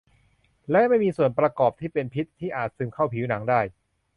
และไม่มีส่วนประกอบที่เป็นพิษที่อาจซึมเข้าผิวหนังได้